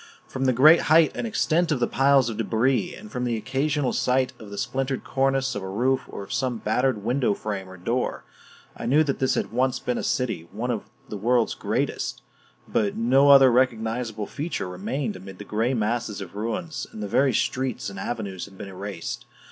From the great height and extent of the piles of debris, and from the occasional sight of the splintered cornice of a roof or of some battered window frame or door, I knew that this had once been a city, one of the world's greatest; but no other recognizable feature remained amid the gray masses of ruins, and the very streets and avenues had been erased.